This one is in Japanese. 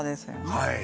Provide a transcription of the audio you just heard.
はい。